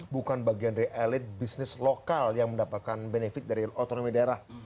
bukan bagian dari elit bisnis lokal yang mendapatkan benefit dari otonomi daerah